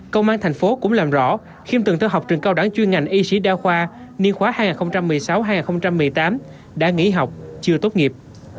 công an thành phố cũng làm rõ khiêm từng theo học trường cao đẳng chuyên ngành y sĩ đa khoa niên khóa hai nghìn một mươi sáu hai nghìn một mươi tám đã nghỉ học chưa tốt nghiệp